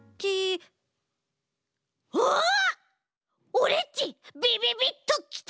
オレっちびびびっときた！